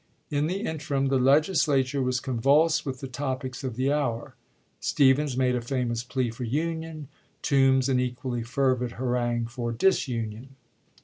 In the interim the Legisla ture was convulsed with the topics of the hour. Stephens made a famous plea for union ; Toombs an equally fervid harangue for disunion.